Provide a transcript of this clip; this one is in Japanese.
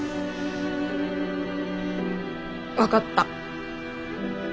分かった。